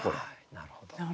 なるほど。